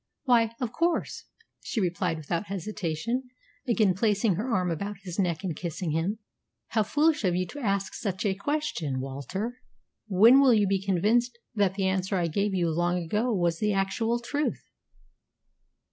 "Why, of course," she replied without hesitation, again placing her arm about his neck and kissing him. "How foolish of you to ask such a question, Walter! When will you be convinced that the answer I gave you long ago was the actual truth?"